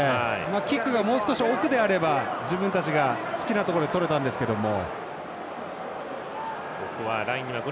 キックがもう少し奥であれば自分たちが好きなところでとれたんですけれども。